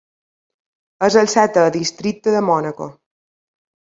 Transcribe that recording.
És el setè districte de Mònaco.